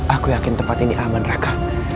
aku yakin tempat ini aman raka